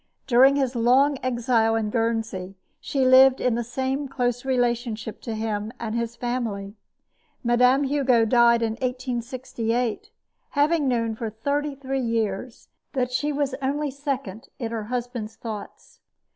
During his long exile in Guernsey she lived in the same close relationship to him and to his family. Mme. Hugo died in 1868, having known for thirty three years that she was only second in her husband's thoughts.